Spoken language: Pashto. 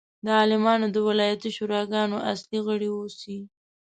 د عالمانو د ولایتي شوراګانو اصلي غړي اوسي.